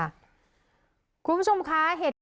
คุณผู้ชมค่ะ